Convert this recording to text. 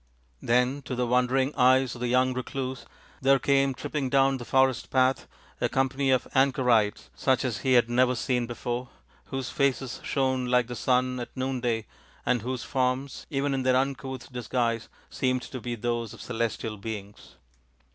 Then to the wondering eyes of the young recluse there came tripping down the forest path a company of anchorites, such as he had never seen before, whose faces shone like the sun at noon day, and whose forms, even in their uncouth disguise, seemed to be those of celestial beings.